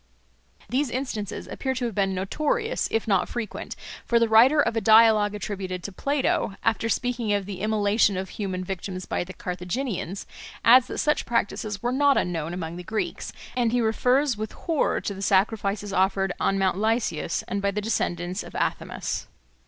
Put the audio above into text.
These instances appear to have been notorious, if not frequent; for the writer of a dialogue attributed to Plato, after speaking of the immolation of human victims by the Carthaginians, adds that such practices were not unknown among the Greeks, and he refers with horror to the sacrifices offered on Mount Lycaeus and by the descendants of Athamas.